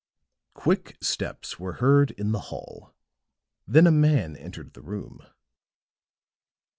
Quick steps were heard in the hall, then a man entered the room.